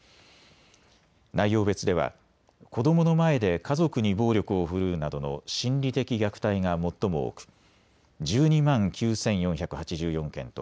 内容別では子どもの前で家族に暴力を振るうなどの心理的虐待が最も多く１２万９４８４件と